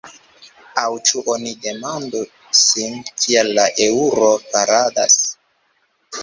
Aŭ ĉu oni demandu sin kial la eŭro faladas?